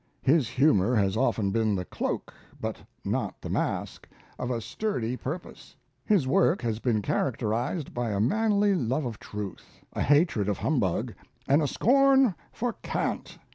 His humor has often been the cloak, but not the mask, of a sturdy purpose. His work has been characterized by a manly love of truth, a hatred of humbug, and a scorn for cant.